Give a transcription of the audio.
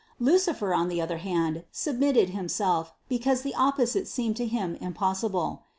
Lucifer, on the other hand, submitted himself, because the opposite seemed to him impossible.